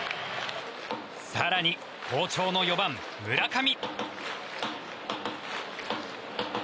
更に好調の４番、村上。